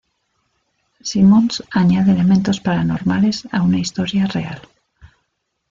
Simmons añade elementos paranormales a una historia real.